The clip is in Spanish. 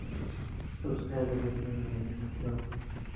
Sus herederos viven en Medina Sidonia.